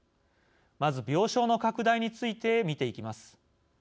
まず、病床の拡大について見ていきます。